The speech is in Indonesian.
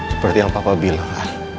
seperti yang papa bilang